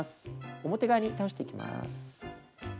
表側に倒していきます。